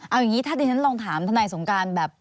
เอาอย่างนี้ถ้าดิฉันลองถามทนายสงการแบบ